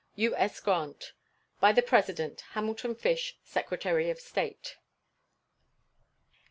U.S. GRANT. By the President: HAMILTON FISH, Secretary of State.